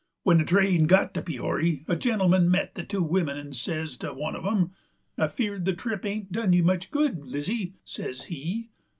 When the train got to Peory a gentleman met the two wimmin 'nd says to one uv 'em: "I'm 'feered the trip hain't done you much good, Lizzie," says he.